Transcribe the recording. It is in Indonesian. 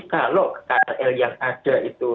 kalau krl yang ada itu